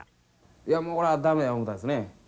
いやもうこれは駄目や思うたですね。